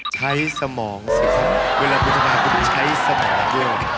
ใช้สมองสิครับเวลาคุณจะมาคุณใช้สมองด้วย